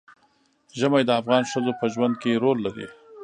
ژمی د افغان ښځو په ژوند کې رول لري.